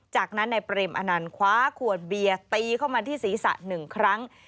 จากนั้นนายเปรมอนันต์คว้าขวดเบียร์ตีเข้ามาที่ศีรษะ๑ครั้ง